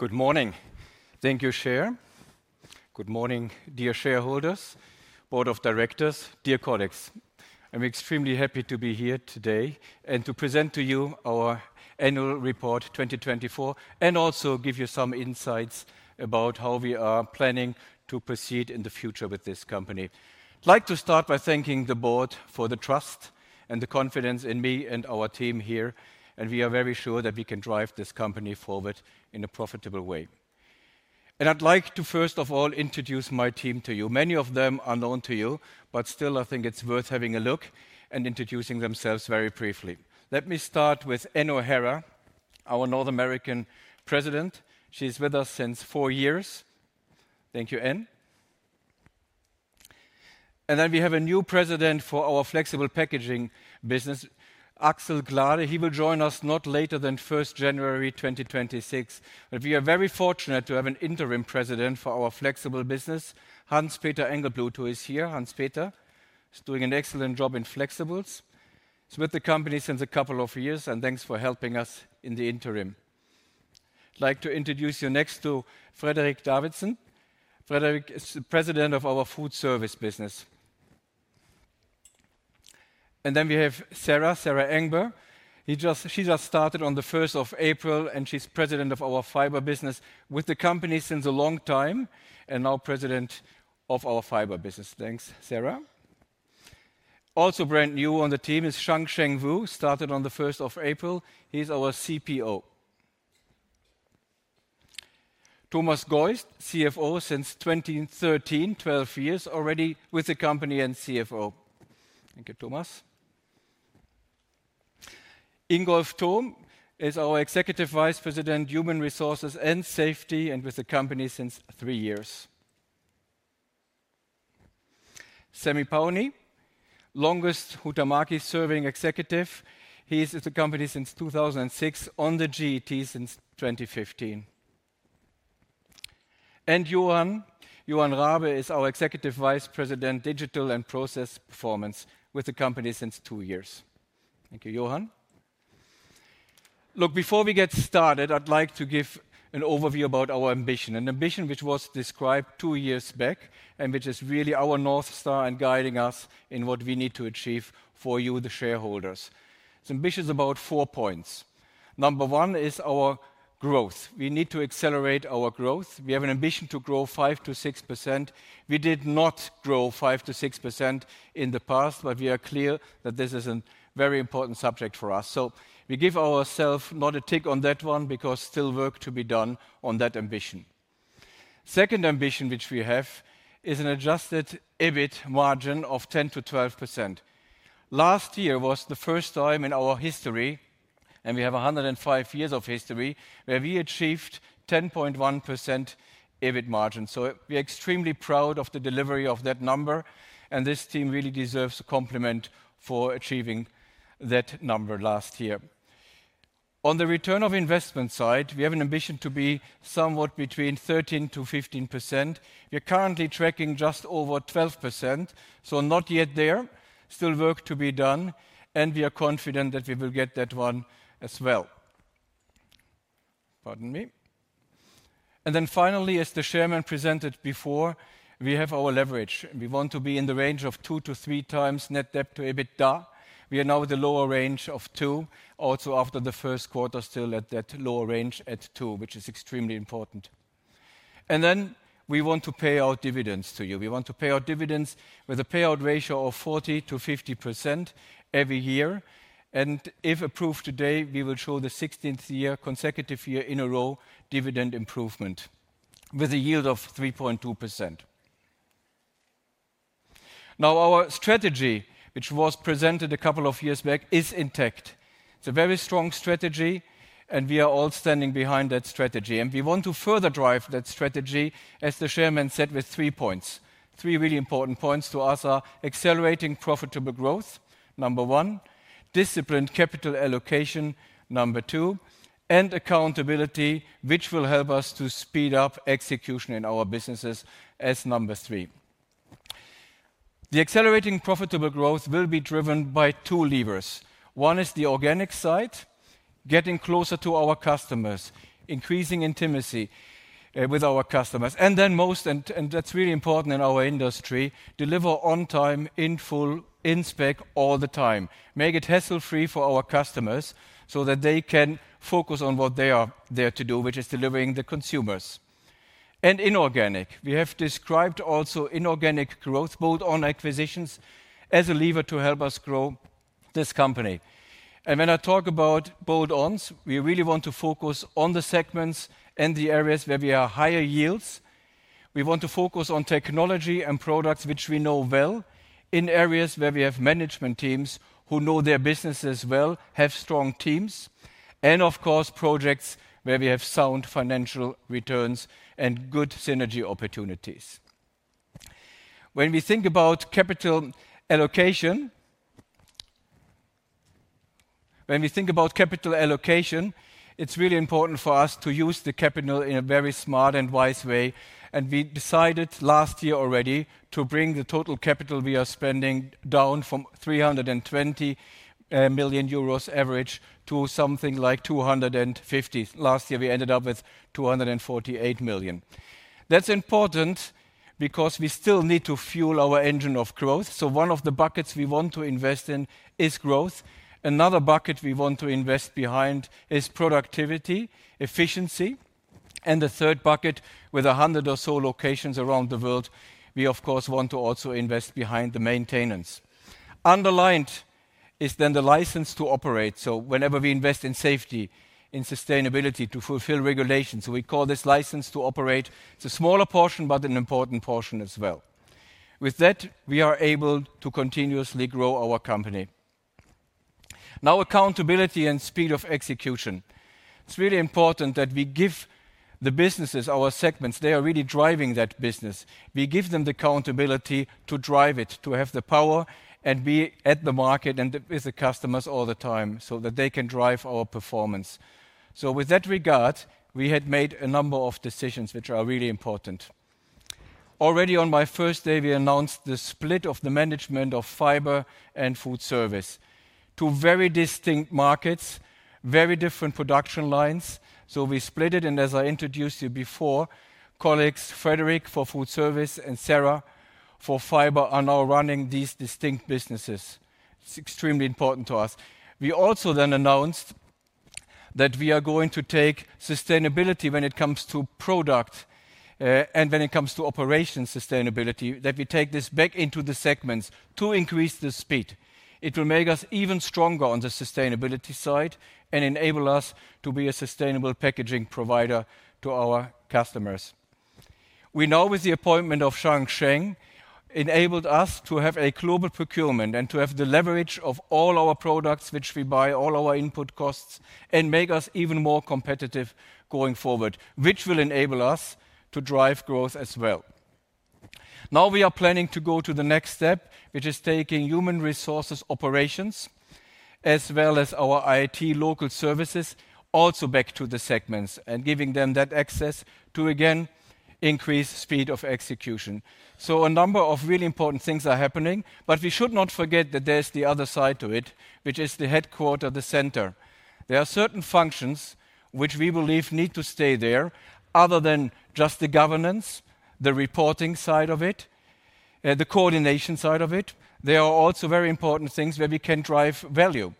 Good morning. Thank you, Chair. Good morning, dear shareholders, board of directors, dear colleagues. I'm extremely happy to be here today and to present to you our annual report 2024, and also give you some insights about how we are planning to proceed in the future with this company. I'd like to start by thanking the board for the trust and the confidence in me and our team here, and we are very sure that we can drive this company forward in a profitable way. I'd like to first of all introduce my team to you. Many of them are known to you, but still I think it's worth having a look and introducing themselves very briefly. Let me start with Ann O’Hara, our North America President. She's with us since four years. Thank you, Ann. Then we have a new President for our Flexible Packaging business, Axel Glade. He will join us not later than January 1, 2026. But we are very fortunate to have an interim President for our Flexible business, Hans-Peter Edelbluth, who is here. Hans-Peter is doing an excellent job in flexibles. He's with the company since a couple of years, and thanks for helping us in the interim. I'd like to introduce you next to Fredrik Davidsson. Fredrik is the President of our Foodservice Packaging business. Then we have Sara, Sara Engberg. He just-- she just started on April 1, and she's President of our Fiber Packaging business, with the company since a long time, and now President of our Fiber Packaging business. Thanks, Sara. Also, brand new on the team is Changsheng Wu, started on April 1. He's our CPO. Thomas Geust, CFO since 2013, 12 years already with the company and CFO. Thank you, Thomas. Ingolf Thom is our Executive Vice President, Human Resources and Safety, and with the company since 3 years. Sami Pauni, longest Huhtamäki-serving executive. He's with the company since 2006, on the GET since 2015. Johan, Johan Rabe is our Executive Vice President, Digital and Process Performance, with the company since 2 years. Thank you, Johan. Look, before we get started, I'd like to give an overview about our ambition, an ambition which was described 2 years back, and which is really our North Star in guiding us in what we need to achieve for you, the shareholders. It's ambitious about 4 points. Number one is our growth. We need to accelerate our growth. We have an ambition to grow 5%-6%. We did not grow 5%-6% in the past, but we are clear that this is a very important subject for us. So we give ourselves not a tick on that one, because still work to be done on that ambition. Second ambition which we have is an adjusted EBIT margin of 10%-12%. Last year was the first time in our history, and we have 105 years of history, where we achieved 10.1% EBIT margin. So we are extremely proud of the delivery of that number, and this team really deserves a compliment for achieving that number last year. On the return on investment side, we have an ambition to be somewhat between 13%-15%. We are currently tracking just over 12%, so not yet there. Still work to be done, and we are confident that we will get that one as well. Pardon me. Then finally, as the chairman presented before, we have our leverage. We want to be in the range of 2-3 times net debt to EBITDA. We are now at the lower range of 2. Also, after the first quarter, still at that lower range at 2, which is extremely important. Then we want to pay out dividends to you. We want to pay out dividends with a payout ratio of 40%-50% every year, and if approved today, we will show the 16th consecutive year in a row, dividend improvement with a yield of 3.2%. Now, our strategy, which was presented a couple of years back, is intact. It's a very strong strategy, and we are all standing behind that strategy. We want to further drive that strategy, as the chairman said, with three points. Three really important points to us are: accelerating profitable growth, number one, disciplined capital allocation, number two, and accountability, which will help us to speed up execution in our businesses as number three. The accelerating profitable growth will be driven by two levers. One is the organic side, getting closer to our customers, increasing intimacy with our customers. And then most, and that's really important in our industry, deliver on time, in full, in spec, all the time. Make it hassle-free for our customers so that they can focus on what they are there to do, which is delivering the consumers. Inorganic. We have described also inorganic growth, bolt-on acquisitions, as a lever to help us grow this company. When I talk about bolt-ons, we really want to focus on the segments and the areas where we have higher yields. We want to focus on technology and products which we know well, in areas where we have management teams who know their businesses well, have strong teams, and of course, projects where we have sound financial returns and good synergy opportunities. When we think about capital allocation, it's really important for us to use the capital in a very smart and wise way. We decided last year already to bring the total capital we are spending down from 320 million euros average to something like 250 million. Last year, we ended up with 248 million. That's important because we still need to fuel our engine of growth, so one of the buckets we want to invest in is growth. Another bucket we want to invest behind is productivity, efficiency, and the third bucket, with 100 or so locations around the world, we of course want to also invest behind the maintenance. Underlined is then the license to operate, so whenever we invest in safety, in sustainability to fulfill regulations, we call this license to operate. It's a smaller portion, but an important portion as well. With that, we are able to continuously grow our company. Now, accountability and speed of execution. It's really important that we give the businesses, our segments, they are really driving that business. We give them the accountability to drive it, to have the power and be at the market and with the customers all the time, so that they can drive our performance. So with that regard, we had made a number of decisions which are really important. Already on my first day, we announced the split of the management of Fiber and Foodservice. Two very distinct markets, very different production lines, so we split it, and as I introduced you before, colleagues Fredrik for Foodservice and Sara for Fiber are now running these distinct businesses. It's extremely important to us. We also then announced that we are going to take sustainability when it comes to product, and when it comes to operation sustainability, that we take this back into the segments to increase the speed. It will make us even stronger on the sustainability side and enable us to be a sustainable packaging provider to our customers. We now, with the appointment of Changsheng Wu, enabled us to have a global procurement and to have the leverage of all our products which we buy, all our input costs, and make us even more competitive going forward, which will enable us to drive growth as well. Now we are planning to go to the next step, which is taking human resources operations, as well as our IT local services, also back to the segments and giving them that access to again increase speed of execution. So a number of really important things are happening, but we should not forget that there's the other side to it, which is the headquarter, the center. There are certain functions which we believe need to stay there, other than just the governance, the reporting side of it, the coordination side of it. There are also very important things where we can drive value.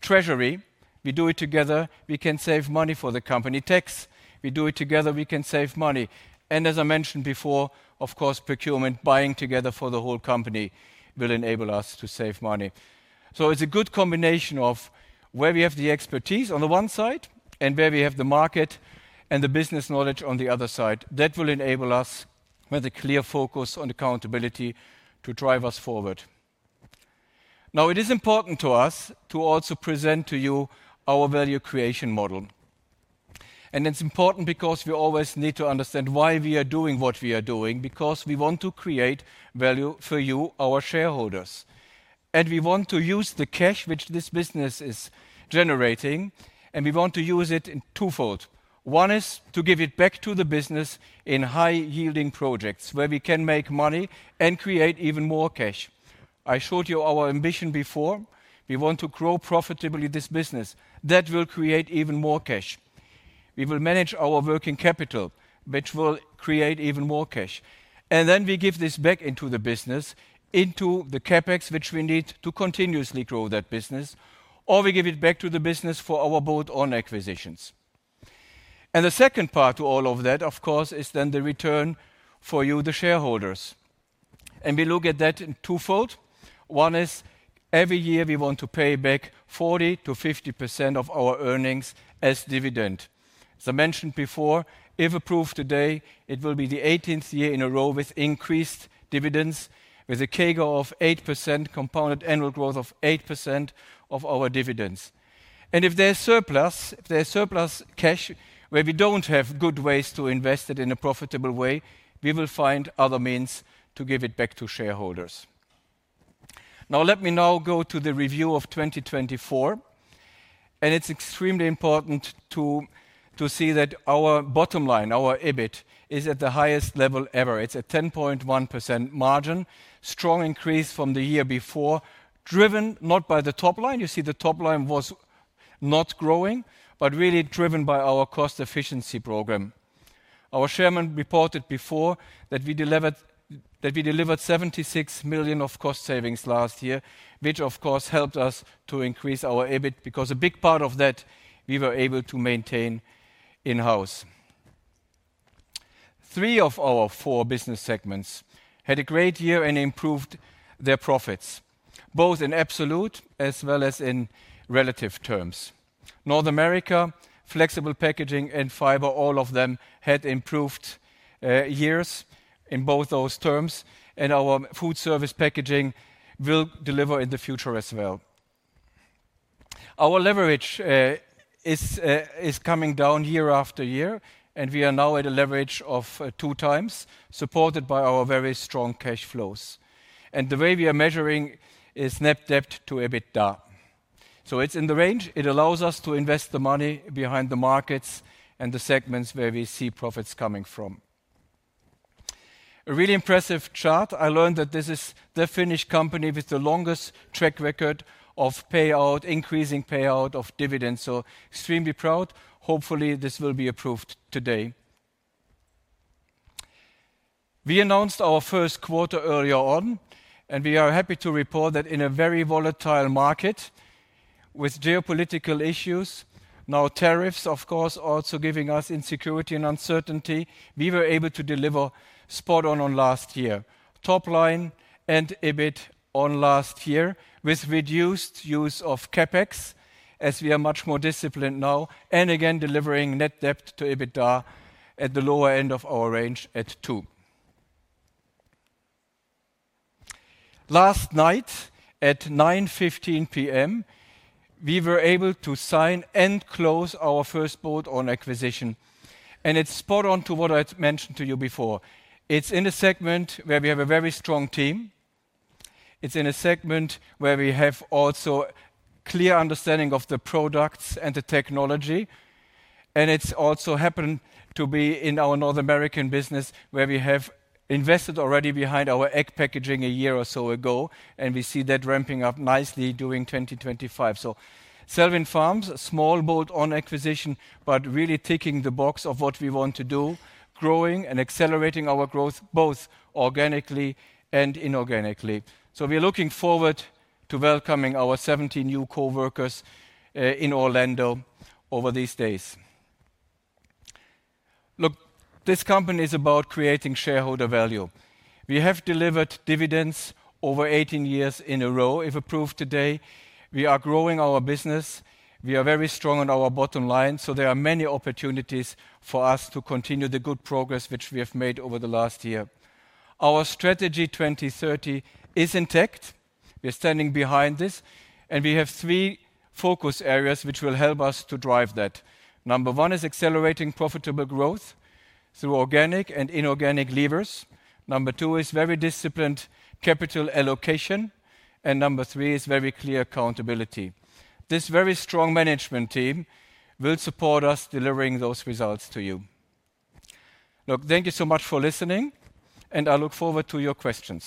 Treasury, we do it together, we can save money for the company. Tax, we do it together, we can save money. And as I mentioned before, of course, procurement, buying together for the whole company will enable us to save money. So it's a good combination of where we have the expertise on the one side and where we have the market and the business knowledge on the other side. That will enable us, with a clear focus on accountability, to drive us forward. Now, it is important to us to also present to you our value creation model. And it's important because we always need to understand why we are doing what we are doing, because we want to create value for you, our shareholders. And we want to use the cash which this business is generating, and we want to use it in twofold. One is to give it back to the business in high-yielding projects, where we can make money and create even more cash. I showed you our ambition before. We want to grow profitably this business. That will create even more cash. We will manage our working capital, which will create even more cash. And then we give this back into the business, into the CapEx, which we need to continuously grow that business, or we give it back to the business for our bolt-on acquisitions. The second part to all of that, of course, is then the return for you, the shareholders. We look at that in twofold. One is every year we want to pay back 40%-50% of our earnings as dividend. As I mentioned before, if approved today, it will be the 18th year in a row with increased dividends, with a CAGR of 8%, compounded annual growth of 8% of our dividends. If there's surplus, there's surplus cash where we don't have good ways to invest it in a profitable way, we will find other means to give it back to shareholders. Now, let me now go to the review of 2024, and it's extremely important to see that our bottom line, our EBIT, is at the highest level ever. It's a 10.1% margin, strong increase from the year before, driven not by the top line, you see the top line was not growing, but really driven by our cost efficiency program. Our chairman reported before that we delivered, that we delivered 76 million of cost savings last year, which of course, helped us to increase our EBIT, because a big part of that we were able to maintain in-house. Three of our four business segments had a great year and improved their profits, both in absolute as well as in relative terms. North America, Flexible Packaging and Fiber, all of them had improved years in both those terms, and our Foodservice Packaging will deliver in the future as well. Our leverage... is coming down year after year, and we are now at a leverage of 2x, supported by our very strong cash flows. And the way we are measuring is net debt to EBITDA. So it's in the range. It allows us to invest the money behind the markets and the segments where we see profits coming from. A really impressive chart. I learned that this is the Finnish company with the longest track record of payout, increasing payout of dividends, so extremely proud. Hopefully, this will be approved today. We announced our first quarter earlier on, and we are happy to report that in a very volatile market with geopolitical issues, now tariffs, of course, also giving us insecurity and uncertainty, we were able to deliver spot on on last year. Top line and EBIT on last year, with reduced use of CapEx, as we are much more disciplined now, and again, delivering net debt to EBITDA at the lower end of our range at 2. Last night, at 9:15 P.M., we were able to sign and close our first bolt-on acquisition, and it's spot on to what I'd mentioned to you before. It's in a segment where we have a very strong team. It's in a segment where we have also clear understanding of the products and the technology, and it's also happened to be in our North American business, where we have invested already behind our egg packaging a year or so ago, and we see that ramping up nicely during 2025. So Zellwin Farms, a small bolt-on acquisition, but really ticking the box of what we want to do, growing and accelerating our growth, both organically and inorganically. So we are looking forward to welcoming our 70 new coworkers in Orlando over these days. Look, this company is about creating shareholder value. We have delivered dividends over 18 years in a row, if approved today. We are growing our business. We are very strong on our bottom line, so there are many opportunities for us to continue the good progress which we have made over the last year. Our strategy, 2030, is intact. We are standing behind this, and we have 3 focus areas which will help us to drive that. Number 1 is accelerating profitable growth through organic and inorganic levers. Number 2 is very disciplined capital allocation, and Number 3 is very clear accountability. This very strong management team will support us delivering those results to you. Look, thank you so much for listening, and I look forward to your questions.